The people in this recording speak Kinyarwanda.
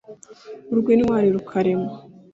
urw’ intwari rukarema;